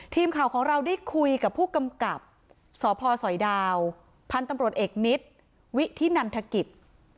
ทีมข่าวของเราได้คุยกับผู้กำกับสพสอยดาวพันธุ์ตำรวจเอกนิดวิธินันทกิจ